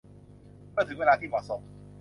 เมื่อถึงเวลาที่เหมาะสม